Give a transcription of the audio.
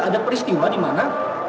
ada peristiwa di mana